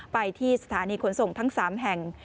ไปที่สถานีขนส่งทั้ง๓แห่ง